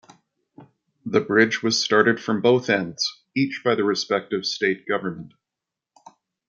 The bridge was started from both ends, each by the respective state government.